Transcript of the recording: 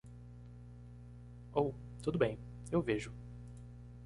Oh, tudo bem, eu vejo.